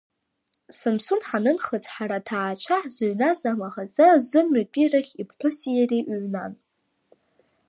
Самсун ҳаныӡхыҵ, ҳара аҭаацәа ҳзыҩназ амаӷаза азымҩатәирахь иԥҳәыси иареи ҩнан.